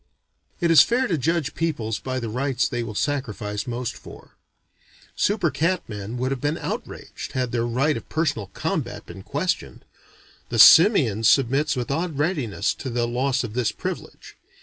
It is fair to judge peoples by the rights they will sacrifice most for. Super cat men would have been outraged, had their right of personal combat been questioned. The simian submits with odd readiness to the loss of this privilege.